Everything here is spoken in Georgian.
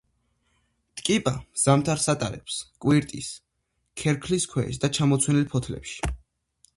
ტკიპა ზამთარს ატარებს კვირტის ქერქლის ქვეშ და ჩამოცვენილ ფოთლებში.